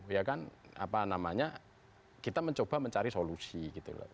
ya kan apa namanya kita mencoba mencari solusi gitu loh